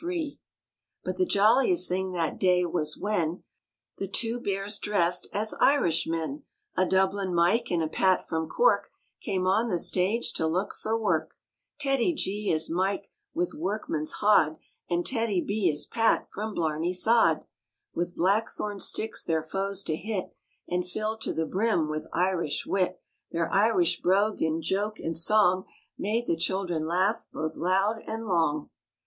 THE BEARS ENTERTAIN PHILADELPHIA CHILDREN 91 But the j oiliest thing that day was when The two Bears dressed as Irishmen: A Dublin Mike and a Pat from Cork Came on the stage to look for work; TEDDY G as Mike with workman's hod And TEDDY B as Pat from Blarney sod With blackthorn sticks their foes to hit, And filled to the brim with Irish wit. Their Irish brogue in joke and song Made the children laugh both loud and long MORE ABOUT THE ROOSEVELT BEARS W?